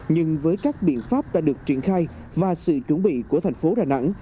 nhưng với các biện pháp đã được triển khai mà sự chuẩn bị của thành phố đà nẵng